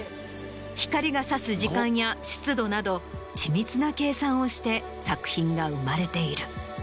光が差す時間や湿度など緻密な計算をして作品が生まれている。